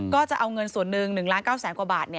ก็จะเอาเงินส่วนหนึ่ง๑๙๐๐๐๐๐กว่าบาท